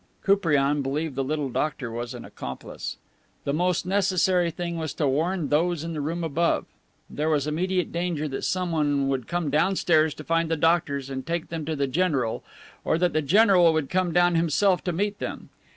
Koupriane believed the little doctor was an accomplice. The most necessary thing was to warn those in the room above. There was immediate danger that someone would come downstairs to find the doctors and take them to the general, or that the general would come down himself to meet them.